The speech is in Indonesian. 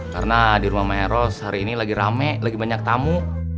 karena di rumah maeros hari ini lagi rame lagi banyak tamu